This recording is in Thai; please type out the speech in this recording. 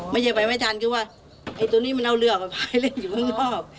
ไม่ใช่ไปไม่ทันคือว่าไอ้ตัวนี้มันเอาเรือออกไปเล่นอยู่ข้างนอก